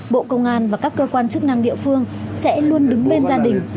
bộ công an và các cơ quan chức năng địa phương sẽ luôn đứng bên gia đình